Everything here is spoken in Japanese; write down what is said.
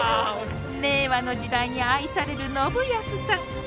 令和の時代に愛される信康さん。